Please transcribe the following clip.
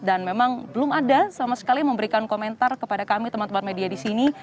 dan memang belum ada sama sekali memberikan komentar kepada kami teman teman media disini